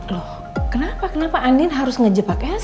loh kenapa kenapa andin harus ngejepak elsa noh